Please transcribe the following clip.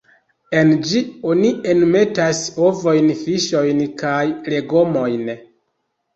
En ĝi oni enmetas ovojn, fiŝojn kaj legomojn.